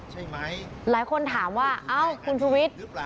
หลายคนถามว่าเอ้าคุณชูวิท